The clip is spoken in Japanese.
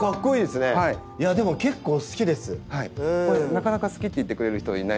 なかなか好きって言ってくれる人がいないので。